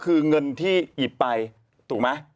คือเงินที่หยิบไปถูกไหม